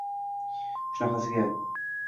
Shunaqasiga!